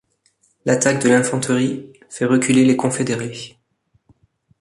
L'attaque de l'infanterie fait reculer les Confédérés.